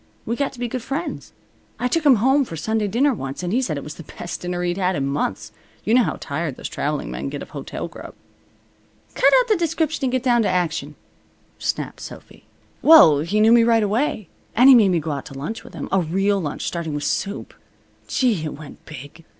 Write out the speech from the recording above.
We got to be good friends. I took him home for Sunday dinner once, and he said it was the best dinner he'd had in months. You know how tired those traveling men get of hotel grub." "Cut out the description and get down to action," snapped Sophy. "Well, he knew me right away. And he made me go out to lunch with him. A real lunch, starting with soup. Gee! It went big.